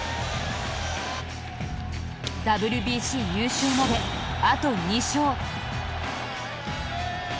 ＷＢＣ優勝まで、あと２勝。